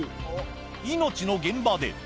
命の現場で。